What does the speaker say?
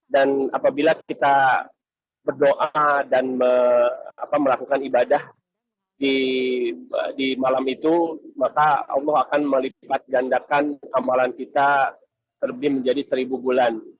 dan apabila kita berdoa dan melakukan ibadah di malam itu maka allah akan melipatgandakan amalan kita terlebih menjadi seribu bulan